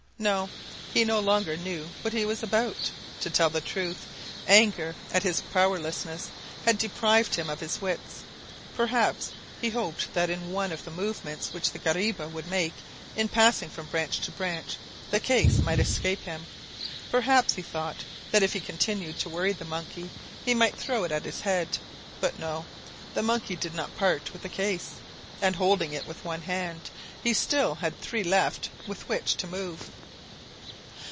No! he no longer knew what he was about. To tell the truth, anger at his powerlessness had deprived him of his wits. Perhaps he hoped that in one of the movements which the guariba would make in passing from branch to branch the case might escape him, perhaps he thought that if he continued to worry the monkey he might throw it at his head. But no! the monkey did not part with the case, and, holding it with one hand, he had still three left with which to move.